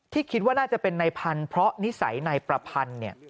คิดว่าน่าจะเป็นนายพันธุ์เพราะนิสัยนายประพันธ์เนี่ย